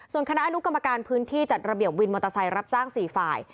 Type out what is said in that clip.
ส่วนคณะอนุกรรมการพื้นที่จัดระเบียบวินมอเตอร์ไซค์รับจ้าง๔ฝ่าย